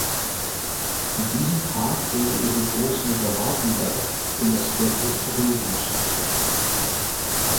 An diesem Tag wurde ihre Großmutter Wartenberg in das Ghetto Theresienstadt verschafft.